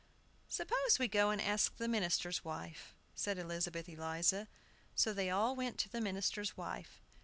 "Suppose we go and ask the minister's wife," said Elizabeth Eliza. So they all went to the minister's wife.